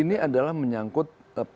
ini adalah menyangkut perasaan